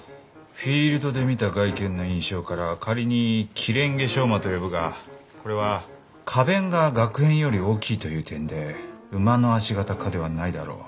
フィールドで見た外見の印象から仮にキレンゲショウマと呼ぶがこれは花弁ががく片より大きいという点で毛科ではないだろう。